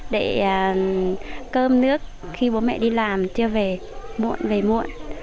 để cơm nước khi bố mẹ đi làm chưa về muộn về muộn